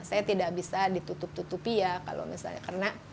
saya tidak bisa ditutup tutupi ya